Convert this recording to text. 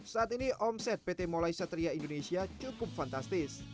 saat ini omset pt molai satria indonesia cukup fantastis